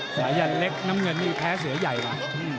สายันเล็กน้ำเงินนี่แพ้เสือใหญ่นะ